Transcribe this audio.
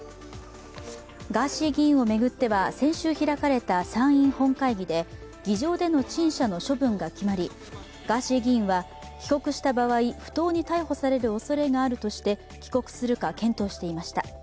ガーシー議員を巡っては先週開かれた参院本会議で議場での陳謝の処分が決まり、ガーシー議員は帰国した場合、不当に逮捕されるおそれがあるとして帰国するか検討していました。